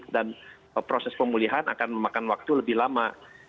dan proses pemulihan akan memakan waktu lebih lama